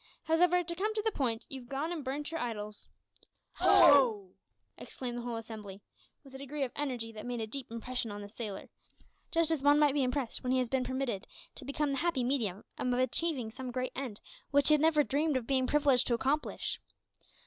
Howsever, to come to the point, you've gone and burnt your idols " "Ho!" exclaimed the whole assembly, with a degree of energy that made a deep impression on the sailor just as one might be impressed when he has been permitted to become the happy medium of achieving some great end which he had never dreamed of being privileged to accomplish.